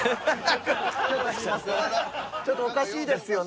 ちょっとおかしいです。